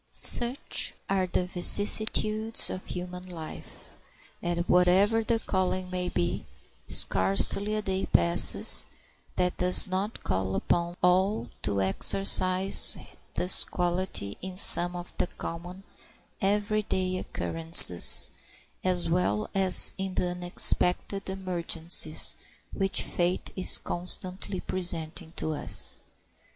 Such are the vicissitudes of human life that, whatever the calling may be, scarcely a day passes that does not call upon all to exercise this quality in some of the common every day occurrences, as well as in the unexpected emergencies which fate is constantly presenting to us.